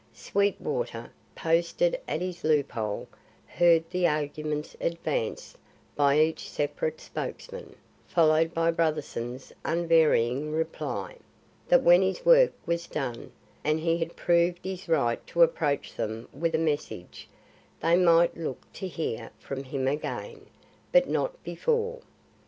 Sweetwater, posted at his loop hole, heard the arguments advanced by each separate spokesman, followed by Brotherson's unvarying reply: that when his work was done and he had proved his right to approach them with a message, they might look to hear from him again; but not before.